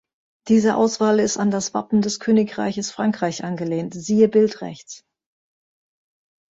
Diese Auswahl ist an das Wappen des Königreiches Frankreich angelehnt, siehe Bild rechts.